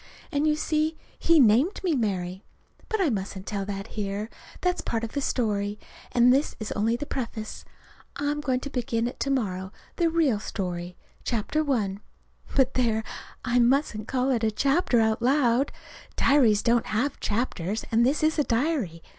And you see, he named me Mary But I mustn't tell that here. That's part of the story, and this is only the Preface. I'm going to begin it to morrow the real story Chapter One. But, there I mustn't call it a "chapter" out loud. Diaries don't have chapters, and this is a diary.